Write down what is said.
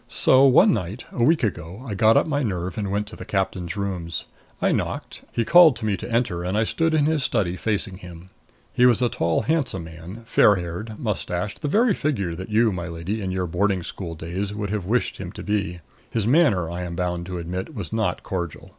So one night, a week ago, I got up my nerve and went to the captain's rooms. I knocked. He called to me to enter and I stood in his study, facing him. He was a tall handsome man, fair haired, mustached the very figure that you, my lady, in your boarding school days, would have wished him to be. His manner, I am bound to admit, was not cordial.